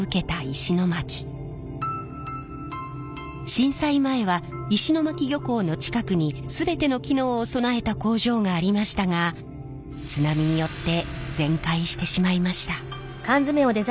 震災前は石巻漁港の近くに全ての機能を備えた工場がありましたが津波によって全壊してしまいました。